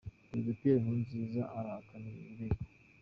Perezida Pierre Nkurunziza arahakana ibi birego: